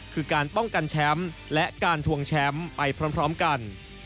คือการป้องกันแชมป์และการทวงแชมป์ไปพร้อมกัน